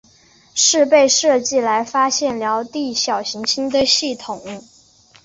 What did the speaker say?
是被设计来发现掠地小行星的系统。